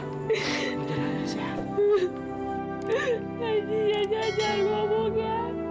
tidak jangan jangan jangan ngomong ya